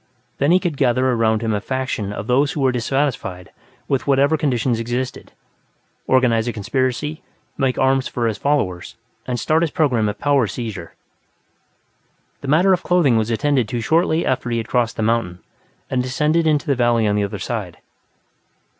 Then he could gather around him a faction of those who were dissatisfied with whatever conditions existed, organize a conspiracy, make arms for his followers, and start his program of power seizure. The matter of clothing was attended to shortly after he had crossed the mountain and descended into the valley on the other side.